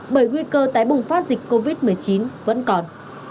bởi nguy cơ tái bùng phát dịch covid một mươi chín vẫn còn